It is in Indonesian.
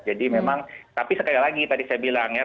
jadi memang tapi sekali lagi tadi saya bilang ya